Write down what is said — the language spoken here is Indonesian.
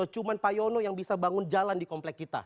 cuma pak yono yang bisa bangun jalan di komplek kita